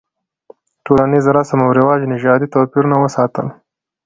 ټولنیز رسم او رواج نژادي توپیرونه وساتل.